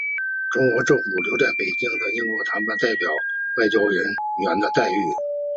中国政府给留在北京的英国谈判代表以外交人员的待遇。